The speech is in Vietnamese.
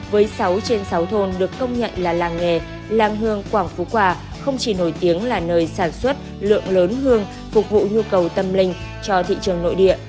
với sáu trên sáu thôn được công nhận là làng nghề làng hương quảng phú hòa không chỉ nổi tiếng là nơi sản xuất lượng lớn hương phục vụ nhu cầu tâm linh cho thị trường nội địa